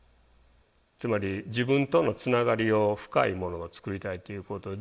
つまり自分とのつながりを深いものを作りたいということで思って。